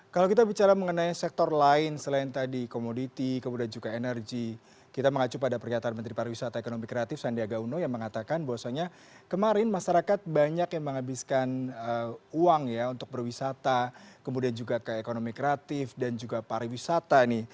kalau kita bicara mengenai sektor lain selain tadi komoditi kemudian juga energi kita mengacu pada pernyataan menteri pariwisata ekonomi kreatif sandiaga uno yang mengatakan bahwasannya kemarin masyarakat banyak yang menghabiskan uang ya untuk berwisata kemudian juga ke ekonomi kreatif dan juga pariwisata nih